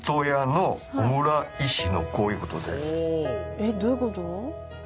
えどういうこと？